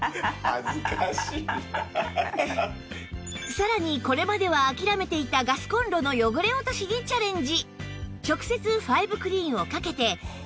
さらにこれまでは諦めていたガスコンロの汚れ落としにチャレンジ